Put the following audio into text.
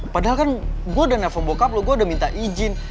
padahal kan gue udah nelfon bokap lo gue udah minta izin